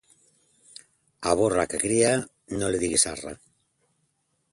A burra que crie no li digues arre.